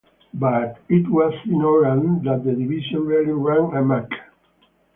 But it was in Oran...that the division really ran amuck.